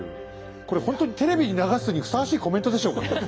これほんとにテレビに流すにふさわしいコメントでしょうか。